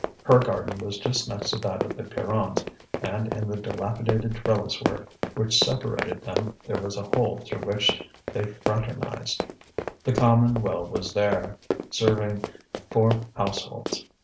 Her garden was just next to that of the Pierrons, and in the dilapidated trellis work which separated them there was a hole through which they fraternized. The common well was there, serving four households.